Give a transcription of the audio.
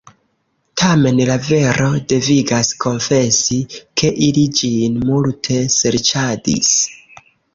Tamen la vero devigas konfesi, ke ili ĝin multe serĉadis.